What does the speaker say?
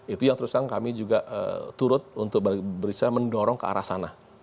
itu yang terus terang kami juga turut untuk berusaha mendorong ke arah sana